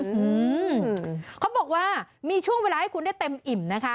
อืมเขาบอกว่ามีช่วงเวลาให้คุณได้เต็มอิ่มนะคะ